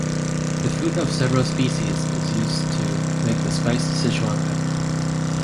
The fruit of several species is used to make the spice Sichuan pepper.